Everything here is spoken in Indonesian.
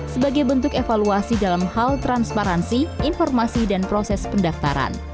sebagai bentuk evaluasi dalam hal transparansi informasi dan proses pendaftaran